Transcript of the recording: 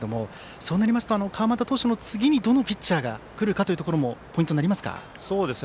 そうなりますと、川又投手の次にどのピッチャーがくるかもポイントになりますか？